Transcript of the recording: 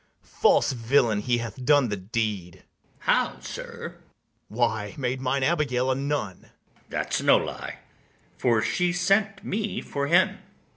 false villain, he hath done the deed. ITHAMORE. How, sir! BARABAS. Why, made mine Abigail a nun. ITHAMORE. That's no lie; for she sent me for him.